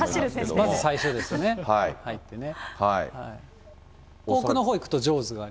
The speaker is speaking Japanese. まず最初ですよね、入ってね。